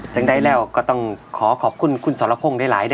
จั้งแต่แล้วก็ต้องขอคขอบคุนคุณสอรพพงศ์ให้หลายฮะ